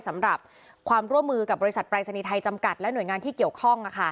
สำหรับความร่วมมือกับบริษัทปรายศนีย์ไทยจำกัดและหน่วยงานที่เกี่ยวข้อง